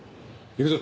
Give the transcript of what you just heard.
行くぞ。